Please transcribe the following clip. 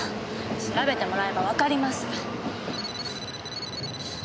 調べてもらえばわかります。